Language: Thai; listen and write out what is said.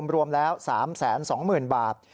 รวมแล้ว๓๒๐๐๐บาท